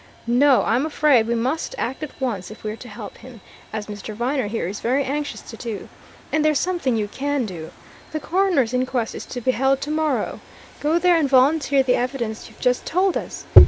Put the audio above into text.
No! I'm afraid we must act at once if we're to help him, as Mr. Viner here is very anxious to do. And there's something you can do. The coroner's inquest is to be held tomorrow. Go there and volunteer the evidence you've just told us!